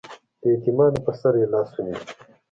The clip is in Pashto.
د یتیمانو په سر یې لاس ونیو